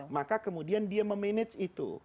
maka kemudian dia memanage itu